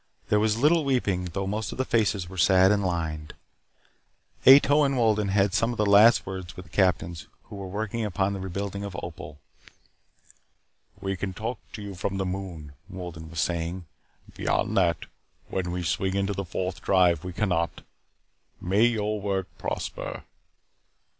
There was little weeping though most of the faces were sad and lined. Ato and Wolden had some last words with the captains who were working upon the rebuilding of Opal. "We can talk to you from the moon," Wolden was saying. "Beyond that, when we swing into the Fourth Drive, we cannot. May your work prosper."